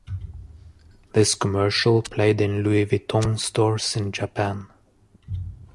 This commercial played in Louis Vuitton stores in Japan.